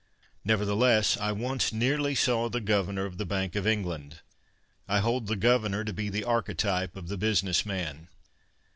Nevertheless, I once nearly saw the Governor of the Bank of England. I hold the Governor to be the archetype of the business man.